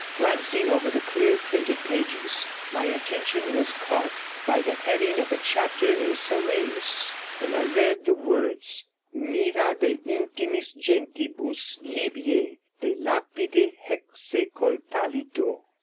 Glancing over the clear printed pages, my attention was caught by the heading of a chapter in Solinus, and I read the words: MIRA DE INTIMIS GENTIBUS LIBYAE. DE LAPIDE HEXECONTALITHO.